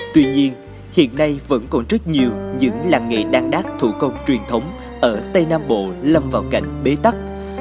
tuy nhiên hiện nay vẫn còn rất nhiều những làng nghề đan đác thủ công truyền thống ở tây nam bộ lâm vào cảnh bế tắc